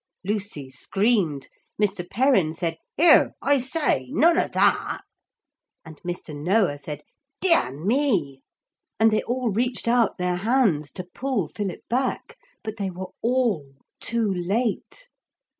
Lucy screamed, Mr. Perrin said, 'Here, I say, none of that,' and Mr. Noah said, 'Dear me!' And they all reached out their hands to pull Philip back. But they were all too late.